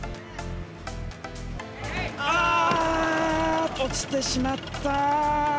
あー、落ちてしまった。